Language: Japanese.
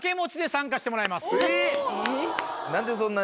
えっ！